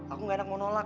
aku gak enak mau nolak